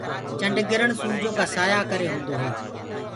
چنڊگِرڻ سوُرجو ڪآ سآيآ ڪي ڪري هوندو هي۔